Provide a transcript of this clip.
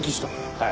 はい！